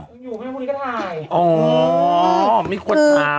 อยู่ไหนพอนี้ก็ถ่าย